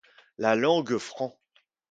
La langue fran